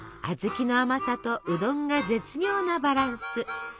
あずきの甘さとうどんが絶妙なバランス。